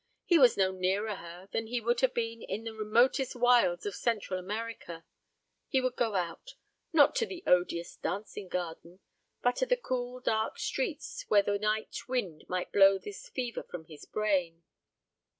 He was no nearer her than he would have been in the remotest wilds of Central America. He would go out not to the odious dancing garden, but to the cool dark streets, where the night wind might blow this fever from his brain.